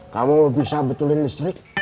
kamu bisa betulin listrik